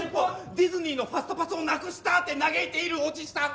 ディズニーのファストパスをなくした！って嘆いているおじさん。